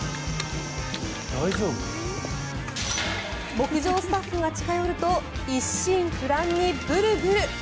牧場スタッフが近寄ると一心不乱にブルブル。